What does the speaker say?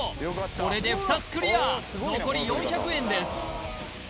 これで２つクリア残り４００円です